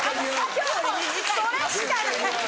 今日それしかない。